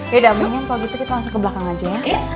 beda mungkin kalau gitu kita langsung ke belakang aja ya